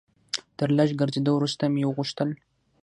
تر لږ ګرځېدو وروسته مې وغوښتل.